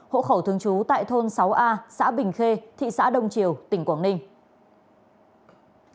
hỗ khẩu thương chú tại thôn sáu a xã bình khê thị xã đông triều tỉnh quảng ninh